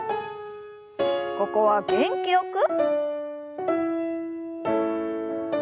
ここは元気よく。